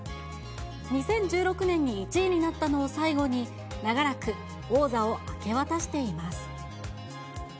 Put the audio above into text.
２０１６年に１位になったのを最後に、長らく王座を明け渡しています。